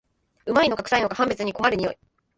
旨いのかくさいのか判別に困る匂い